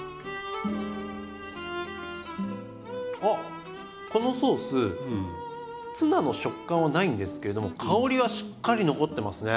あっこのソースツナの食感はないんですけれども香りはしっかり残ってますね。